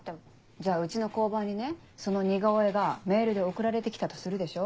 じゃあうちの交番にねその似顔絵がメールで送られて来たとするでしょ。